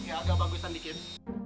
yang agak bagus kan dikit